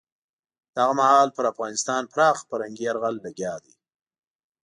دغه مهال پر افغانستان پراخ فرهنګي یرغل لګیا دی.